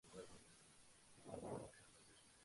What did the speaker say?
Las hojas son simples y alternas, sin estípulas.